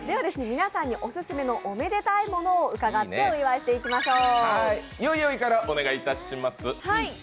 皆さんにオススメのおめでたいものを伺ってお祝いしていきましょう。